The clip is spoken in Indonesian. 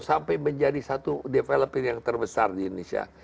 sampai menjadi satu development yang terbesar di indonesia